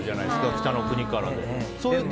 「北の国から」で。